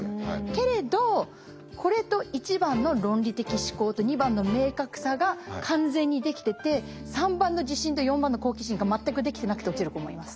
けれどこれと１番の論理的思考と２番の明確さが完全にできてて３番の自信と４番の好奇心が全くできてなくて落ちる子もいます。